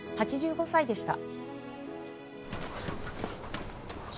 ８５歳でした。